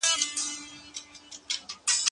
د اخلاقو ښودنه د ماشومانو دنده ده.